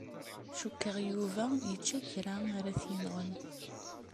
Cukkeɣ Yuba yečča kra ara t-yenɣen.